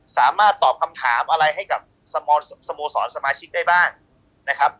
สามารถตอบคำถามอะไรให้กับสโมสรสมาชิกได้บ้างนะครับ